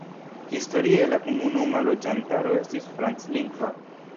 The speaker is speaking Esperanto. Historie la komunuma loĝantaro estis franclingva.